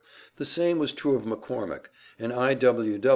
The same was true of McCormick, an I.